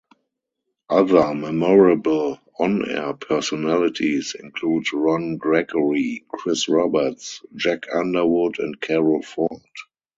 Other memorable on-air personalities include Ron Gregory, Chris Roberts, Jack Underwood and Carol Ford.